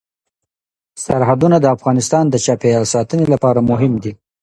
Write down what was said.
سرحدونه د افغانستان د چاپیریال ساتنې لپاره مهم دي.